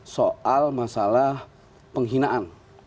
soal masalah penghinaan